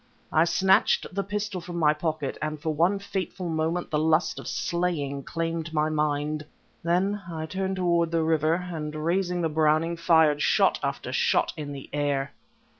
I snatched the pistol from my pocket, and for one fateful moment the lust of slaying claimed my mind.... Then I turned towards the river, and, raising the Browning, fired shot after shot in the air.